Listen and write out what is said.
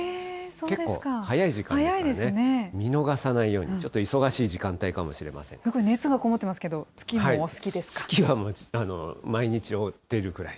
結構、早い時間ですからね、見逃さないように、ちょっと忙しい時熱が込もってますけど、月も月は毎日追ってるぐらい。